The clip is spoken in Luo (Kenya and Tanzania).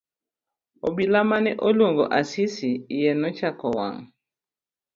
Obila mane oluongo Asisi iye nochako wang'.